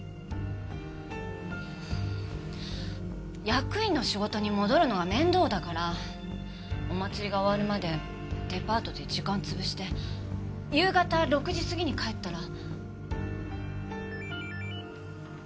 役員の仕事に戻るのが面倒だからお祭りが終わるまでデパートで時間つぶして夕方６時過ぎに帰ったら。